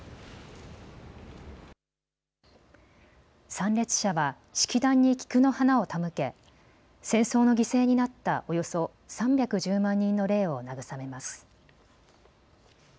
参列者は式壇に菊の花を手向け戦争の犠牲になったおよそ３１０万人の霊を慰めます。